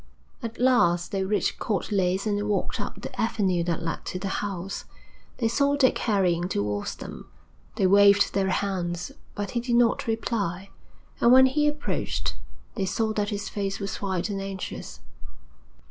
At last they reached Court Leys and walked up the avenue that led to the house. They saw Dick hurrying towards them. They waved their hands, but he did not reply, and, when he approached, they saw that his face was white and anxious.